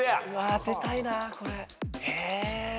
当てたいなこれ。